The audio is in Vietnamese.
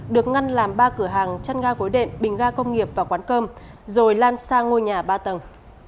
được ngăn làm ba cửa hàng chăn ga gối đệm bình ga công nghiệp và quán cơm rồi lan sang ngôi nhà ba tầng